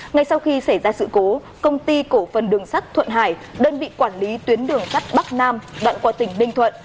ngay sau khi xảy ra sự cố công ty cổ phần đường sắt thuận hải đơn vị quản lý tuyến đường sắt bắc nam đoạn qua tỉnh ninh thuận